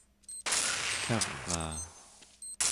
kegglaraa